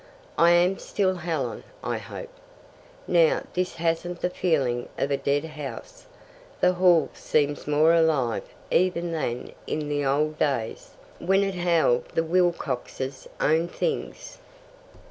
I am still Helen, I hope. Now this hasn't the feel of a dead house. The hall seems more alive even than in the old days, when it held the Wilcoxes' own things."